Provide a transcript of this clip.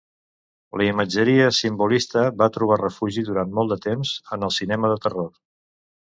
La imatgeria simbolista va trobar refugi durant molt de temps en el cinema de terror.